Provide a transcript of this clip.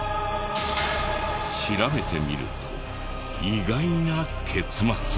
調べてみると意外な結末が。